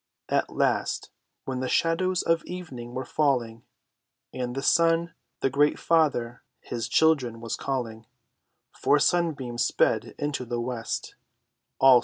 At last, when the shadows of evening were falling, And the sun, their great father, his children was calling, Four sunbeams sped into the west.